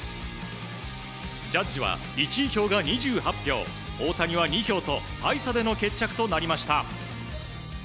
ジャッジは１位票が２８票大谷は２票と大差での決着となりました。